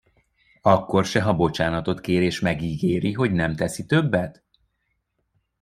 Akkor se, ha bocsánatot kér, és megígéri, hogy nem teszi többet?